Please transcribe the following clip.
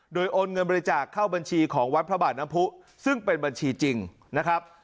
โดยโอนเงินบริจาคเข้าบัญชีของวัดพระบาทน้ำผู้ซึ่งเป็นบัญชีจริงนะครับ